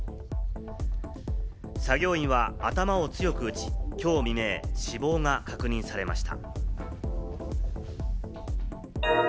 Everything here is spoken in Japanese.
作業員は頭を強く打ち、今日未明、死亡が確認されました。